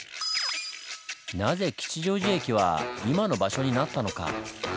なぜ吉祥寺駅は今の場所になったのか？